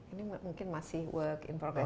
ini mungkin masih work in progress